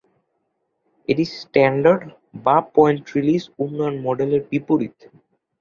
এটি "স্ট্যান্ডার্ড" বা "point release" উন্নয়ন মডেলের বিপরীত।